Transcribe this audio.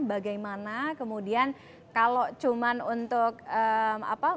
bagaimana kemudian kalau cuma untuk apa